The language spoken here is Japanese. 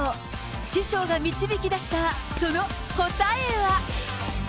師匠が導き出した、その答えは？